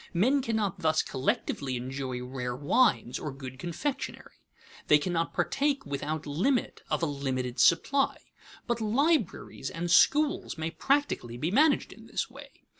Men cannot thus collectively enjoy rare wines or good confectionery; they cannot partake without limit of a limited supply. But libraries and schools may practically be managed in this way.